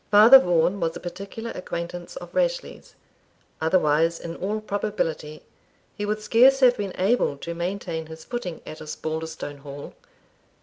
Father Vaughan was a particular acquaintance of Rashleigh's, otherwise, in all probability, he would scarce have been able to maintain his footing at Osbaldistone Hall.